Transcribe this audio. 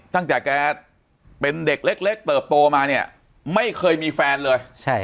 ตั้งแต่แกเป็นเด็กเล็กเติบโตมาเนี่ยไม่เคยมีแฟนเลย